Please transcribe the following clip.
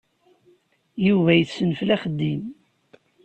Yuba yessenfel axeddim.